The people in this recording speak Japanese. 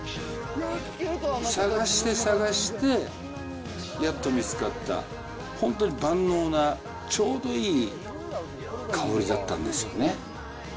探して探して、やっと見つかった、本当に万能な、ちょうどいい香りだったんですよね。